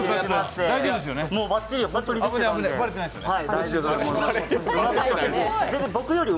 もうばっちり。